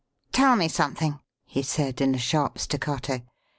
"Tell me something," he said in a sharp staccato.